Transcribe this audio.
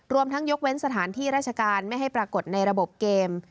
รวมทั้งยกเว้นสถานที่ราชการไม่ให้ปรากฏในระบบเกม